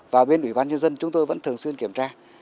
và bên ủy ban nhân dân chúng tôi vẫn thường xuyên kiểm tra